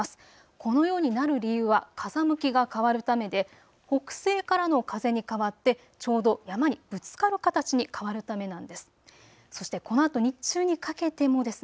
このようになる理由は風向きが変わるためで北西からの風に変わってちょうど山にぶつかる形に変わるためなんです。